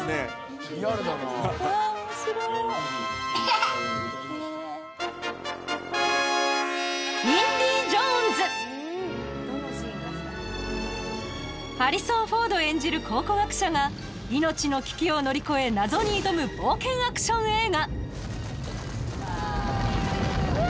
・ハハハ・ハリソン・フォード演じる考古学者が命の危機を乗り越え謎に挑む冒険アクション映画